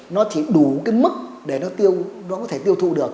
nó chỉ đủ cái mức để nó có thể tiêu thụ được